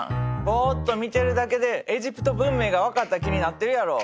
ボッと見てるだけでエジプト文明が分かった気になってるやろ。